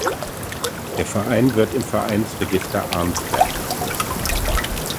Der Verein wird im Vereinsregister Arnsberg geführt.